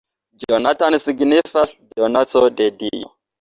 Jonathan signifas 'donaco de dio'.